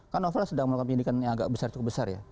kan novel sedang melakukan penyidikan yang agak besar cukup besar ya